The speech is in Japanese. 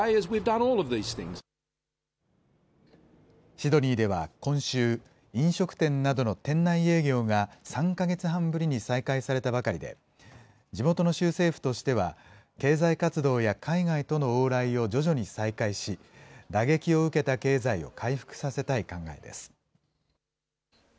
シドニーでは今週、飲食店などの店内営業が３か月半ぶりに再開されたばかりで、地元の州政府としては、経済活動や海外との往来を徐々に再開し、打撃を受けた経済を回復させたい考えです。